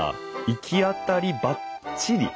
いきあたりバッチリ？